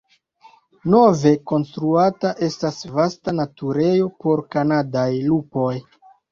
Nove konstruata estas vasta naturejo por kanadaj lupoj.